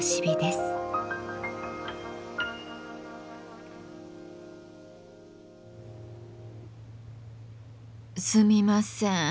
すみません。